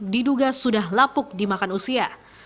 diduga sudah lapuk dimakan usia